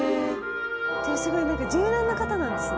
じゃあすごい柔軟な方なんですね。